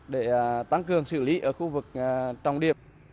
để tăng cường xử lý ở khu vực trọng điểm